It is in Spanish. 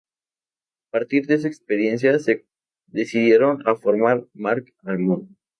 A partir de esa experiencia, se decidieron a formar Mark-Almond.